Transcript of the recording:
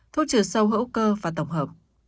thuốc trừ sâu hữu cơ và tổng hợp